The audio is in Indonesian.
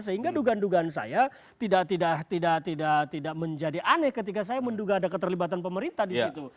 sehingga dugaan dugaan saya tidak menjadi aneh ketika saya menduga ada keterlibatan pemerintah di situ